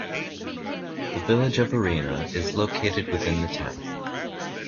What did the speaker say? The Village of Arena is located within the town.